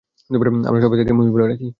আমরা সবাই তাকে মহিষ বলে ডাকি।